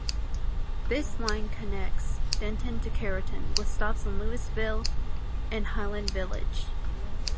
This line connects Denton to Carrollton, with stops in Lewisville and Highland Village.